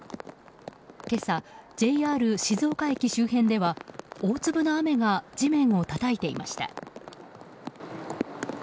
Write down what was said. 今朝、ＪＲ静岡駅周辺では大粒の雨が地面をたたいていました。